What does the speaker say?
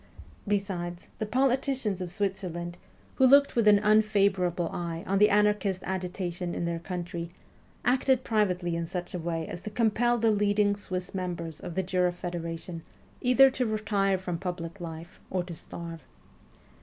Besides, the politicians of Switzerland, who looked with an unfavourable eye on the anarchist agitation in their country, acted privately in such a way as to compel the leading Swiss members of the Jura Federation either to retire from public life or to starve.